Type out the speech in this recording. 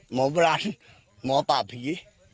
โบราณหมอป่าผี